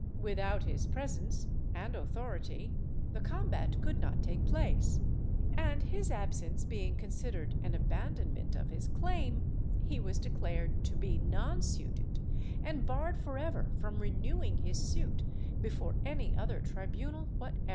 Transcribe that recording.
Without his presence and authority the combat could not take place; and his absence being considered an abandonment of his claim, he was declared to be non suited, and barred for ever from renewing his suit before any other tribunal whatever.